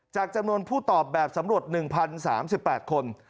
จำนวนผู้ตอบแบบสำรวจ๑๐๓๘คน